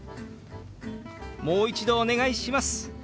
「もう一度お願いします」。